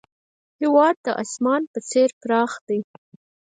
هېواد د اسمان په څېر پراخ دی.